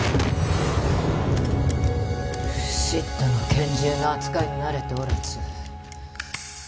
ＳＩＴの拳銃の扱いに慣れておらず。